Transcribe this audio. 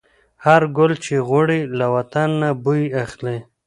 هر ګل چې غوړي، له وطن نه بوی اخلي